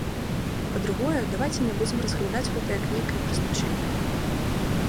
Па-другое, давайце не будзем разглядаць гэта як нейкае прызначэнне.